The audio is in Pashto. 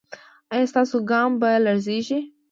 ایا ستاسو ګام به لړزیږي؟